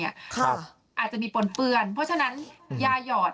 อาจจะมีปนเปื้อนเพราะฉะนั้นยาหยอด